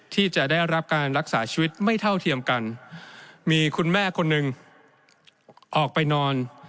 ที่จะได้รับการรักษาชีวิตไม่เท่าเทียมกันมีคุณแม่คนหนึ่งออกไปนอน